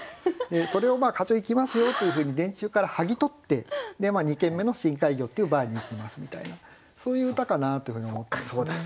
それを「課長行きますよ」というふうに電柱から剥ぎ取って２軒目の「深海魚」っていうバーに行きますみたいなそういう歌かなというふうに思ったんですね。